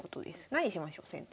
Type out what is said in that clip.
何しましょう先手。